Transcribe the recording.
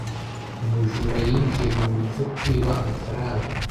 Umujura yinjiye mu nzu kwiba amafaranga.